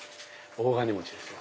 大金持ちですよ。